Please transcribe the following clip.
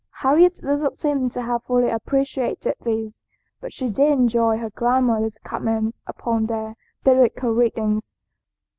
Harriet does not seem to have fully appreciated these; but she did enjoy her grandmother's comments upon their biblical readings.